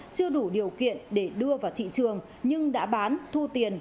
chưa đủ điều kiện để đưa vào thị trường nhưng đã bán thu tiền